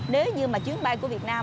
nếu như mà chuyến bay của việt nam